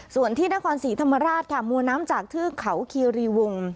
ส่วนที่นครศรีธรรมราชค่ะมวลน้ำจากเทือกเขาคีรีวง